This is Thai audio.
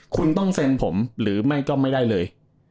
คุณต้องเซ็นผมหรือไม่ก็ไม่ได้เลย